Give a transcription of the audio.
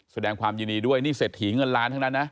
แสดงความยินดีด้วยนี่เศรษฐีเงินล้านทั้งนั้นนะ